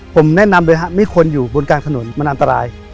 ผมแนะนำเลยครับไม่ควรอยู่บนกลางถนนมันอันตราย